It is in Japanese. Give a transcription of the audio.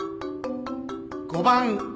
５番。